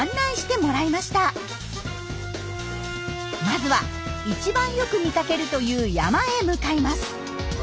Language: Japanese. まずは一番よく見かけるという山へ向かいます。